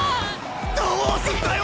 どうすんだよ